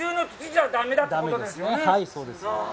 はい、そうです。